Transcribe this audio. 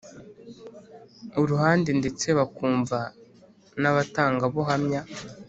ruhande ndetse bakumva n abatangabuhamya